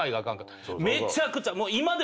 めちゃくちゃもう。